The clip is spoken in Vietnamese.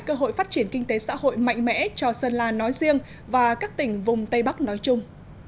cơ hội phát triển kinh tế xã hội mạnh mẽ cho sơn la nói riêng và các tỉnh vùng tây bắc nói chung